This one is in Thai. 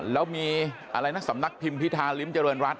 แล้วมีอะไรนะสำนักพิมพ์พิธาริมเจริญรัฐ